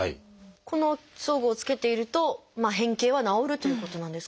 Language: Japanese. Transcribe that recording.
この装具を着けていると変形は治るということなんですか？